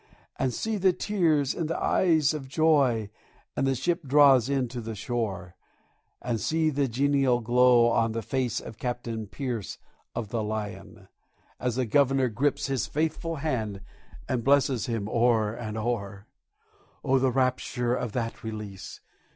And see the tears in the eyes of Joy as the ship draws in to the shore, And see the genial glow on the face of Captain Pierce of the Lion, As the Governor grips his faithful hand and blesses him o'er and o'er! Oh, the rapture of that release!